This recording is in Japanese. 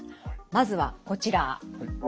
まずはこちら。